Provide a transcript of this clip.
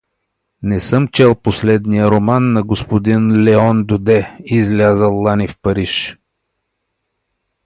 Не съм чел последния роман на г. Леон Доде, излязъл лани в Париж.